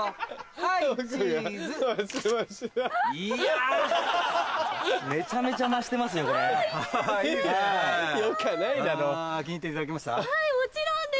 はいもちろんです！